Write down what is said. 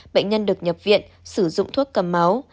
bệnh nhân được nhập viện sử dụng thuốc cầm máu